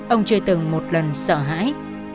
ông chưa từng một lần sợ hãi